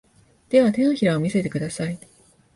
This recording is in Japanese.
では、手のひらを見せてください。